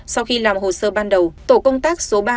sau khi làm hồ sơ ban đầu tổ công tác số ba